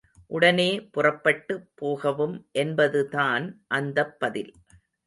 உடனே புறப்பட்டு போகவும் என்பதுதான் அந்தப் பதில்.